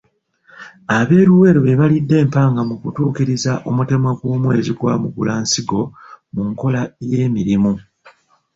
Ab'eLuweero be baalidde empanga mu kutuukiriza omutemwa gw'omwezi gwa Mugulansigo mu nkola y'emirimu.